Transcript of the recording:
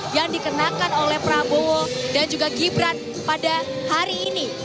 yang dikenakan oleh prabowo dan juga gibran pada hari ini